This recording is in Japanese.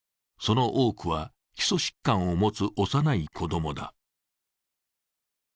その多くは基礎疾患を持つ幼い子供だ。